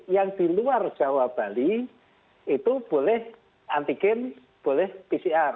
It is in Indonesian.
yang di luar jawa bali itu boleh antigen boleh pcr